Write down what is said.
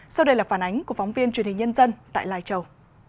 sau đây là phản ánh của phóng viên truyền hình nhân dân tại lai châu